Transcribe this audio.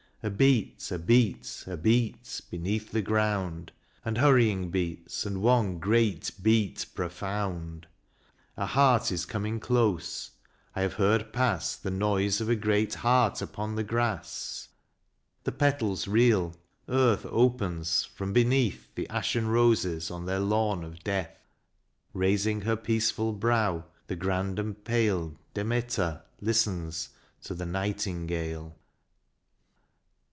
A beat, a beat, a beat beneath the ground, And hurrying beats, and one great beat profound. A heart is coming close : I have heard pass The noise of a great Heart upon the grass. The petals reel. Earth opens : from beneath The ashen roses on their lawn of death, Raising her peaceful brow, the grand and pale Demeter listens to the nightingale.